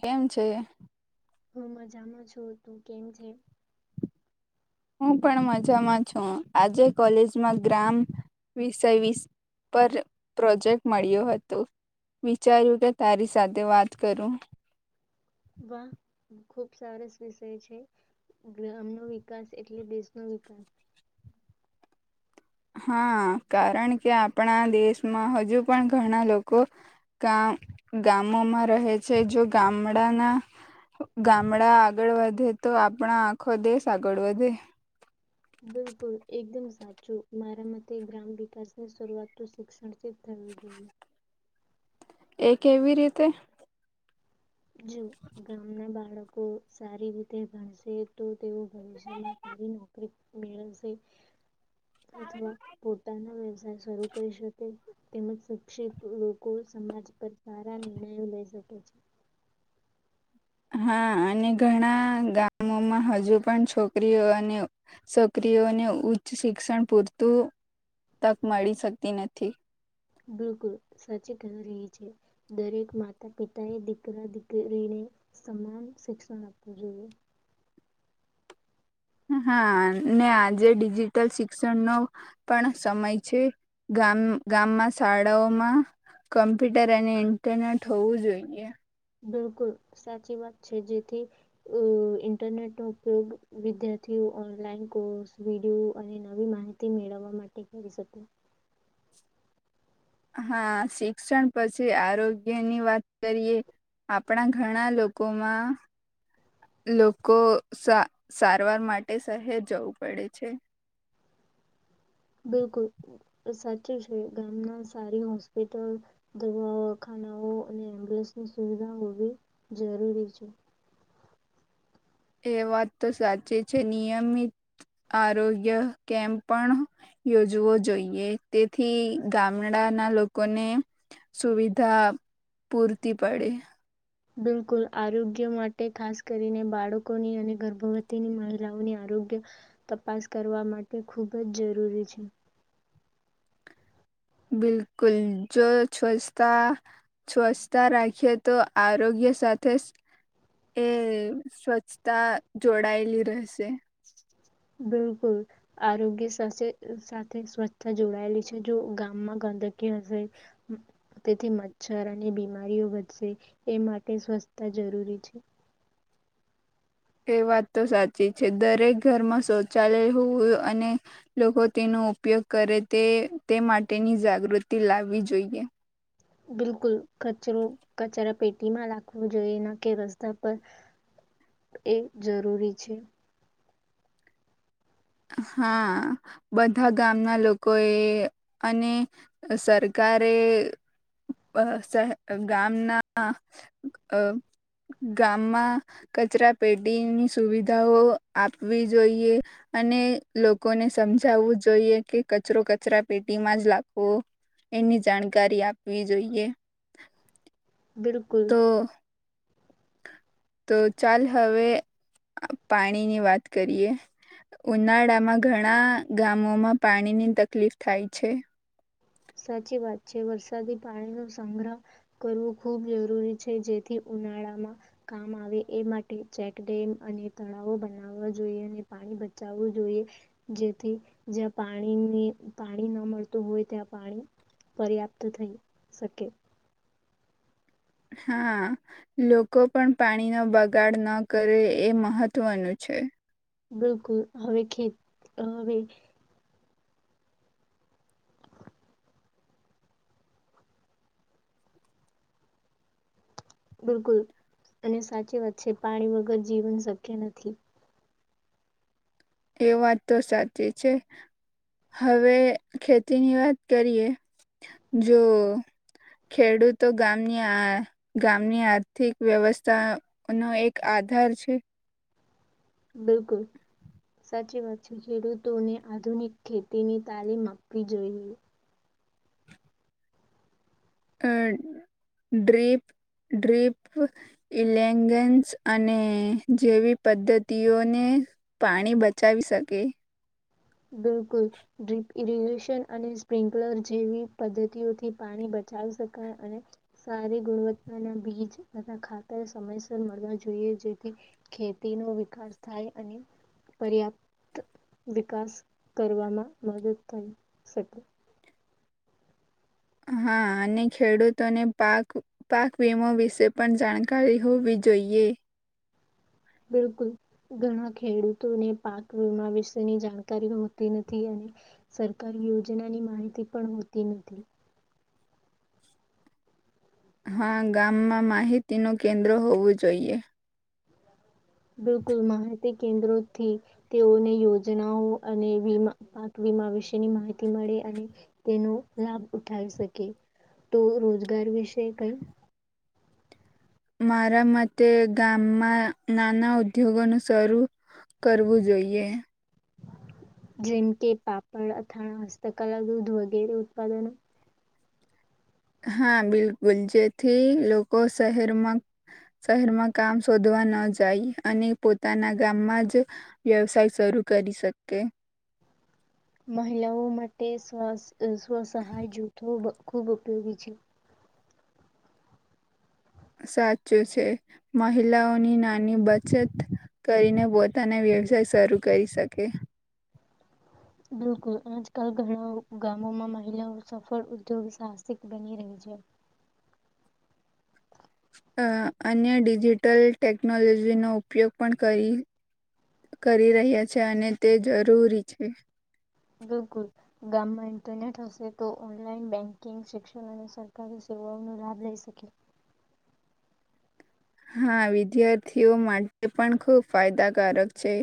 કેમ છે? હું મજામાં છું, તું કેમ છે? હું પણ મજામાં છું આજે કોલેજમાં ગ્રામ વિષય વિષ પર પ્રોજેક્ટ મળ્યો હતો વિચાર્યું કે તારી સાથે વાત કરું. વા ખુબ સારસ વિષય છે ગ્રામ ન વિકાસ એટલે દેશનો વિકાસ. હા કારણ કે આપણા દેશમાં હજુ પણ ઘણા લોકો ગામ ગામોમાં રહે છે જો ગામડાના ગામડા આગળ વધે તો આપણા આખો દેશ આગળ વધે. બિલકુલ એકદમ સાચું મારા મતે ગ્રામ વિકાસની શરૂઆત તો શિક્ષણ થવી જોઈએ. એ કેવી રીતે? જો ગામના બાળકો સારી રીતે ભણશે તો તેઓ ભવિષ્યમાં સારી નોકરી મેળવશે. અથવા પોતાના વ્યવ શરૂ કરી શકે તેમજ શિક્ષિત લોકો સમાજ પર સારા નિનીણય એવુ લઈ શક [inaudible] હા અને ઘણા ગામોમાં હજુ પણ છોકરીઓ છોકરીઓને ઉચ્ચ શિક્ષણ પૂરતું તક મળી શકતી નથી. બિલકુલ સાચી કહ રહી છે દરેક માતા પિતાએ દીકરા દીકરીને સમાન શિક્ષણ આપવું જોઈએ. હા અનેને આજે ડિજિટલ શિક્ષણનો પણ સમય છે ગામ ગામમાં શાળાઓમાં કમ્પ્યુટર અને ઇન્ટરનેટ હોવું જોઈએ. બિલકુલ સાચી વાત છે જેથી ઇન્ટરનેટનો ઉપયોગ વિદ્યાર્થીઓ ઓનલાઈન કોર્સ વિડીયો અને નવી માહિતી મેળવવા માટે કરી શકે. હા શિક્ષણ પછી આરોગ્ય ની વાત કરીએ આપણા ઘણા લોકોમાં લોકો સા સારવાર માટે શહેર જવું પડે છે. બિલકુલ સાચું છે ગામના સારી હોસ્પિટલ દવાઑ ખાનાઓ અને એમ્બ્યુલન્સની સુવિધા હોવી જરૂરી છે. એ વાત તો સાચી છે નિયમિત આરોગ્ય કેમ્પ પણ યોજવો જોઈએ તેથી ગામડાના લોકોને સુવિધા પૂરતી પડે. બિલકુલ આરોગ્ય માટે ખાસ કરીને બાળકોની અને ગર્ભવતીની મહિલાઓની આરોગ્ય તપાસ કરવા માટે ખૂબ જ જરૂરી છે. બિલકુલ જો સ્વચ્છતા સ્વચ્છતા રાખીએ તો આરોગ્ય સાથે એ સ્વચ્છતા જોડાયેલી રહેશે. બિલકુલ આરોગ્ય સાસે સાથે સ્વચ્છતા જોડાયેલી છે જો ગામમાં ગંદકી હશે તેથી મચ્છર અને બીમારીઓ વધશે એ માટે સ્વચ્છતા જરૂરી છે. એ વાત તો સાચી છે દરેક ઘરમાં શૌચાલય હોય અને લોકો તેનો ઉપયોગ કરે તે તે માટેની જાગૃતિ લાવવી જોઈએ. બિલકુલ કચરો કચરા પેટીમાં રાખવું જોઈએ ના કે રસ્તા પર એ જરૂરી છે. હા બધા ગામના લોકોએ અને સરકારે બ સ ગામના અ ગામમાં કચરા પેટીની સુવિધાઓ આપવી જોઈએ. અને લોકોને સમજાવવું જોઈએ કે કચરો કચરા પેટીમાં જ લખવો એની જાણકારી આપવી જોઈએ. બિલકુલ. તો તો ચાલ હવે પાણીની વાત કરીએ ઉનાળામાં ઘણા ગામોમાં પાણીની તકલીફ થાય છે. સાચી વાત છે વરસાદી પાણી નું સંગ્રહ કરવો ખૂબ જરૂરી છે જેથી ઉનાળામાં કામ આવે એ માટે ચેકડેમ અને તળાવો બનાવવા જોઈએ ને પાણી બચાવવું જોઈએ જેથી જ્યાં પાણી પાણી ન મળતું હોય ત્યાં પાણી પર્યાપ્ત થઈ શકે. હા લોકો પણ પાણીનો બગાડ ન કરે એ મહત્વનું છે. બિલકુલ હવે ખેત હવે બિલકુલ અને સાચી વાત છે પાણી વગર જીવન શક્ય નથી. એ વાત તો સાચી છે હવે ખેતીની વાત કરીએ જો ખેડૂતો ગામની આ ગામની આર્થિક વ્યવસ્થા નો એક આધાર છે. બિલકુલ સાચી વાત છે ખેડૂતોને આધુનિક ખેતીની તાલીમ આપવી જોઈએ. અ ડ્રિપ ડ્રિપ ઇલેગેન્સ અને જેવી પદ્ધતિઓને પાણી બચાવી શકે. બિલકુલ ડ્રીપ ઇરીગેશન અને સ્પ્રિન્કલર જેવી પદ્ધતિઓથી પાણી બચાવી શકાય અને સારી ગુણવત્તાના બીજ તથા ખાતર સમયસર મળવા જોઈએ જેથી ખેતીનો વિકાસ થાય અને પર્યાપ્ત વિકાસ. કરવામાં મદદ થઇ શકે. હા અને ખેડૂતોને પાક પાક વીમો વિશે પણ જાણકારી હોવી જોઈએ. બિલકુલ ઘણા ખેડૂતોને પાક વીમા વિશેની જાણકારી હોતી નથી અને સરકારી યોજનાની માહિતી પણ હોતી નથી. હા ગામમાં માહિતીનું કેન્દ્ર હોવું જોઈએ. બિલકુલ માહિતી કેન્દ્રોથી તેઓને યોજનાઓ અને વીમા પાક વીમા વિશેની માહિતી મળે અને તેનો લાભ ઉઠાવી શકે તો રોજગાર વિશે કઈ. મારા માતે ગામમાં નાના ઉદ્યોગોનું શરૂ કરવું જોઈએ. જેમ કે પાપડ અથાણા હસ્તકલા દૂધ વગેરે ઉત્પાદનો. હા બિલકુલ જેથી લોકો શહેરમાં શહેરમાં કામ શોધવા ન જાય અને પોતાના ગામમાં જ વ્યવસાય શરૂ કરી શકે. મહિલાઓ માટે સ્વસ સ્વસહાય જૂથો ખૂબ ઉપયોગી છે. સાચું છે મહિલાઓની નાની બચત કરીને પોતાને વ્યવસાય શરૂ કરી શકે. બિલકુલ આજકાલ ઘણા ગામોમાં મહિલાઓ સફળ ઉદ્યોગ સાહસિક બની રહી છે. અ અન્ય ડિજિટલ ટેકનોલોજીનો ઉપયોગ પણ કરી, કરી રહ્યા છે, અને તે જરૂરી છે. બિલકુલ ગામમાં ઇન્ટરનેટ હશે તો ઓનલાઇન બેન્કિંગ, શિક્ષણ અને સરકારી સેવાઓનો લાભ લઈ શકે. હા વિદ્યાર્થીઓ માટે પણ ખુબ ફાયદાકારક છે.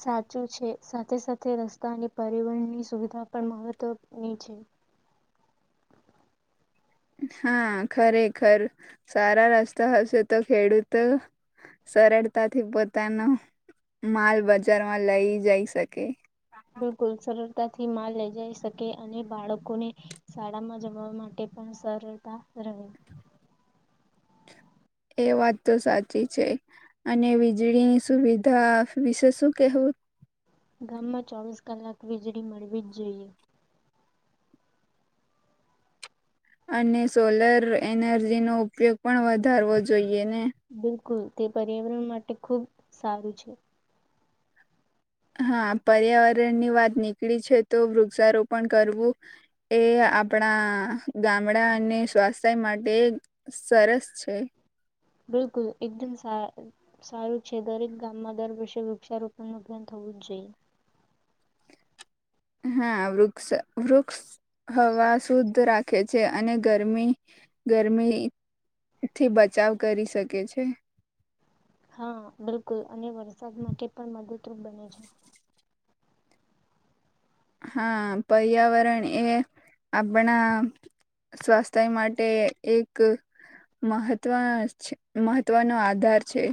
સાચું છે સાથે સાથે રસ્તા અને પરિવહની સુવિધા પણ મહત્વની છે. હા ખરેખર સારા રસ્તા હશે તો ખેડૂત સરળતાથી પોતાનો માલ બજારમાં લઈ જાય શકે. બિલકુલ સરળ તાથી માલ લઈ જઈ શકે, અને બાળકોને શાળા માં જમવા માટે પણ સરળતા રહે. એ વાત તો સાચી છે અને વીજળીની સુવિધા વિશે શું કેહેવું? ગામમાં ચોવીસ કલાક વીજળી મળવી જ જોઈએ. અને સોલર એનર્જી નો ઉપયોગ પણ વધારવો જોઈએ. ને બિલકુલ. તે પર્યાવરણ માટે ખૂબ સારું છે. હા પર્યાવરણની વાત નીકળી છે તો વૃક્ષારોપણ કરવું એ આપણા ગામડા અને સ્વાસ્થ્ય માટે સરસ છે. બિલકુલ એકદમ સા સારું છે, દરેક ગામમાં દર વર્ષે વૃક્ષારોપણનું અભિયાન થવું જ જોઈએ. હા વૃક્ષ વૃક્ષ હવા શુદ્ધ રાખે છે અને ગરમી ગરમી થી બચાવ કરી શકે છે. હા બિલકુલ અને વરસાદ માટે પણ મદદરૂપ બને છે. હા પર્યાવરણ એ આપણા સ્વાસ્થ્ય માટે એક મહત્વ મહત્વનો આધાર છે.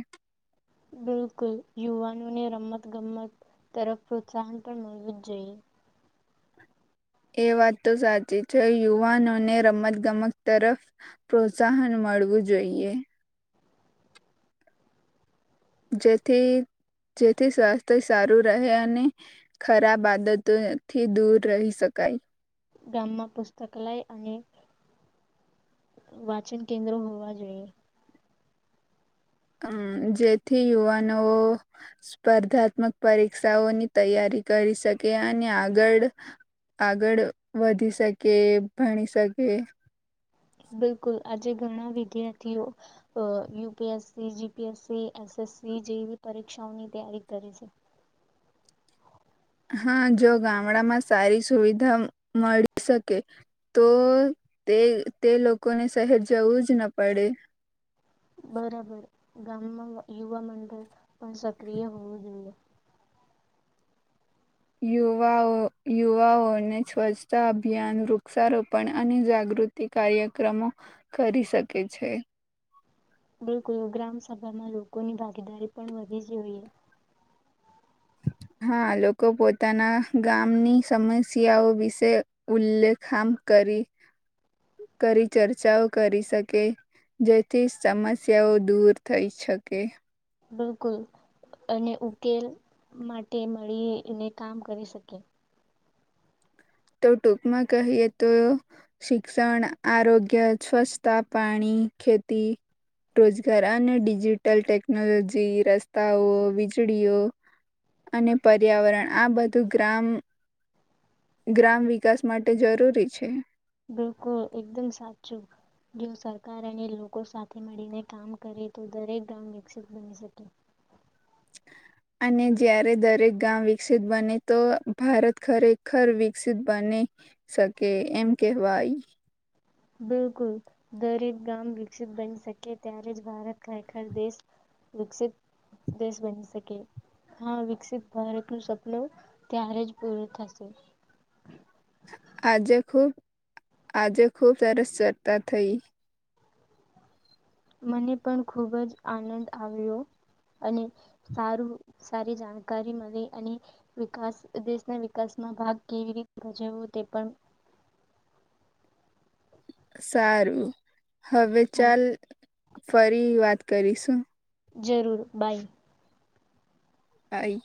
બિલકુલ યુવાનોને રમતગમત તરફ પ્રોત્સાહન પણ મળવું જ જોઈએ. એ વાત તો સાચી છે. યુવાનોને રમતગમત તરફ પ્રોત્સાહન મળવું જોઈએ. જેથી જેથી સ્વાસ્થ્ય સારું રહે અને ખરાબ આદતોથી દૂર રહી શકાય. ગામમાં પુસ્તકાલય અને વાચન કેન્દ્રો હોવા જોઈએ. અમ જેથી યુવાનો સ્પર્ધાત્મક પરીક્ષાઓની તૈયારી કરી શકે અને આગળ આગળ વધી શકે, ભણી શકે. બિલકુલ આજે ઘણા વિદ્યાર્થીઓ અ U P S C, G P S C S S C જેવી પરીક્ષાઓની તૈયારી કરી છે. હા જો ગામડામાં સારી સુવિધા મળી શકે તો તે તે લોકોને શહેર જવું જ ન પડે. બરાબર. ગામમાં યુવા મંડળ પણ સક્રિય હોવું જોઈએ. યુવાઓ યુવાઓને સ્વચ્છતા અભિયાન, વૃક્ષારોપણ અને જાગૃતિ કાર્યક્રમો કરી શકે છે. બિલકુલ ગ્રામ સભામાં લોકોની ભાગીદારી પણ વધવી જોઈએ. હા લોકો પોતાના ગામની સમસ્યાઓ વિશે ઉલ્લેખામ કરી કરી ચર્ચાઓ કરી શકે જેથી સમસ્યાઓ દૂર થઈ શકે. બિલકુલ અને ઉકેલ માટે મળીને કામ કરી શકે. તો ટૂંકમાં કહીએ તો શિક્ષણ, આરોગ્ય, સ્વચ્છતા, પાણી ખેતી, રોજગાર અને ડિજિટલ ટેકનોલોજી, રસ્તાઓ, વીજળીઓ અને પર્યાવરણ આ બધું ગ્રામ ગ્રામ વિકાસ માટે જરૂરી છે. બિલકુલ એકદમ સાચું જો સરકાર અને લોકો સાથે મળીને કામ કરે તો દરેક ગામ વિકસિત બની શકે. અને જયારે દરેક ગામ વિકસિત બને તો ભારત ખરેખર વિકસિત બની શકે, એમ કેહેવાય. બિલકુલ દરેક ગામ વિકસિત બની શકે ત્યારે જ ભારત ખરેખર દેશ વિકસિત દેશ બની શકે હા વિકસિત ભારતનું સપનું ત્યારે જ પૂરું થશે. આજે ખુબ આજે ખુબ સરસ ચર્ચા થઈ. મને પણ ખૂબ જ આનંદ આવ્યો અને સારું સારી જાણકારી મળી અને વિકાસ દેશના વિકાસમાં ભાગ કેવી રીતે ભજવો તે પણ સારું. હવે ચાલ ફરી વાત કરીશું. જરૂર બાય. બાય.